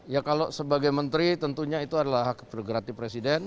ya kalau sebagai menteri tentunya itu adalah hak prerogatif presiden